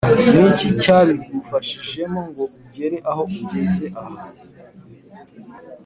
ni iki cyabigufashijemo ngo ugere aho ugeze aha?